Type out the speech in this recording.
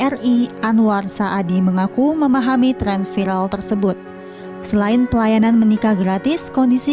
ri anwar saadi mengaku memahami tren viral tersebut selain pelayanan menikah gratis kondisi